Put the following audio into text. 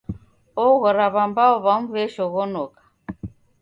Oghora w'ambao w'amu w'eshoghonoka.